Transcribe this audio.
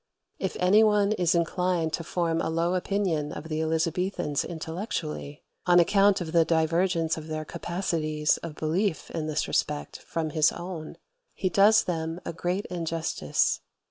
If any one is inclined to form a low opinion of the Elizabethans intellectually, on account of the divergence of their capacities of belief in this respect from his own, he does them a great injustice.